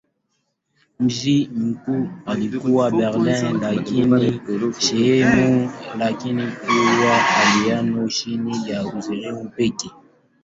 Mji mkuu ulikuwa Berlin lakini sehemu ya kiutawala iliyokuwa chini ya Urusi pekee.